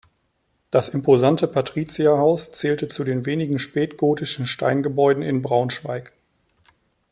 Das imposante Patrizierhaus zählte zu den wenigen spätgotischen Steingebäuden in Braunschweig.